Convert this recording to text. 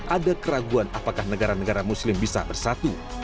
ada keraguan apakah negara negara muslim bisa bersatu